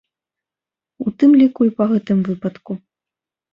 У тым ліку і па гэтым выпадку.